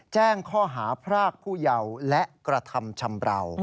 แจ้งข้อหาพรากผู้เยาว์และกระทำชำราว